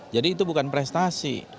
jadi itu bukan prestasi